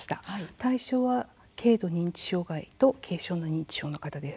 対象は、軽度認知障害と軽症の認知症の方です。